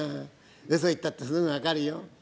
嘘言ったってすぐ分かるよ。